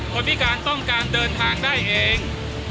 พิการต้องการเดินทางได้เอง